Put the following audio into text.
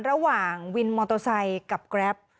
ระหว่างวินมอเตอร์ไซค์กับแกรป